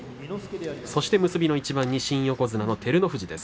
結びの一番に新横綱の照ノ富士です。